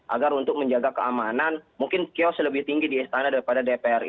agar untuk menjaga keamanan mungkin kios lebih tinggi di istana daripada dpr